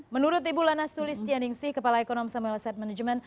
menurut ibu lana sulis tia ningsih kepala ekonomi sama oselt management